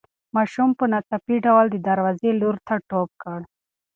ماشوم په ناڅاپي ډول د دروازې لوري ته ټوپ کړ.